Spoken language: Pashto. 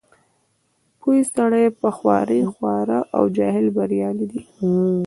پوه سړی په خوارۍ خوار او جاهل بریالی دی.